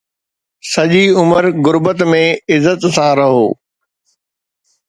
سڄي عمر غربت ۾ عزت سان رهو